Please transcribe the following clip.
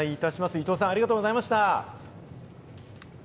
伊藤さん、ありがとうございました。